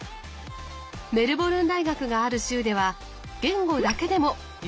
メルボルン大学がある州では言語だけでも４８科目あります。